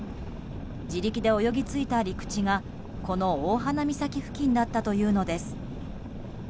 自力で泳ぎ着いた陸地がこの大鼻岬付近だったというのです。